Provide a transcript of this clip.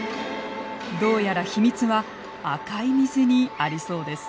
どうやら秘密は赤い水にありそうです。